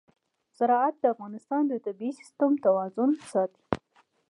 زراعت د افغانستان د طبعي سیسټم توازن ساتي.